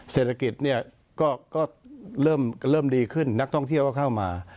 เศรษฐกิจเนี่ยก็เริ่มดีขึ้นนักท่องเที่ยวก็เข้ามา